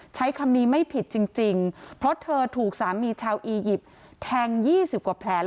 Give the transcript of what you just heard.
ใช้คำนี้ไม่ผิดจริงเพราะเธอถูกสามีชาวอียิปต์แทง๒๐กว่าแผล